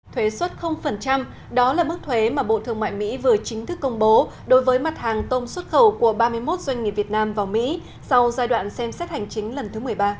thuế xuất đó là mức thuế mà bộ thương mại mỹ vừa chính thức công bố đối với mặt hàng tôm xuất khẩu của ba mươi một doanh nghiệp việt nam vào mỹ sau giai đoạn xem xét hành chính lần thứ một mươi ba